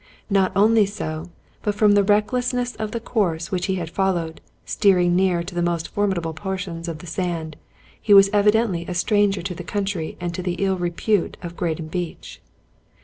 Not only so; but from the reck lessness of the course which he had followed, steering near to the most formidable portions of the sand, he was evi dently a stranger to the country and to the ill repute of Graden beach.